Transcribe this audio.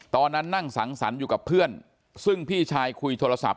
ตอนนั้นนั่งสังสรรค์อยู่กับเพื่อนซึ่งพี่ชายคุยโทรศัพท์